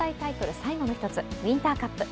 最後の１つ、ウインターカップ。